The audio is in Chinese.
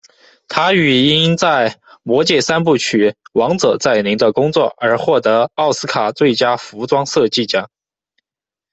她与因在《魔戒三部曲：王者再临》的工作而获得奥斯卡最佳服装设计奖。